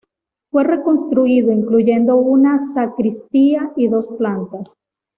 Fue reconstruido, incluyendo una sacristía y dos plantas.